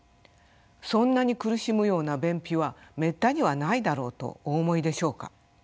そんなに苦しむような便秘はめったにはないだろうとお思いでしょうか。